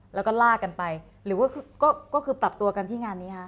แล้วก็ลากกันไปหรือว่าก็คือปรับตัวกันที่งานนี้ฮะ